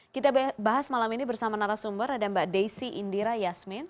kita bahas malam ini bersama narasumber ada mbak desi indira yasmin